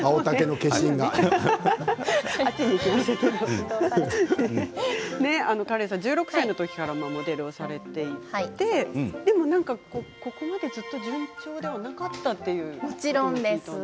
笑い声１６歳のときからモデルをされていてここまでずっと順調ではなかったということですね。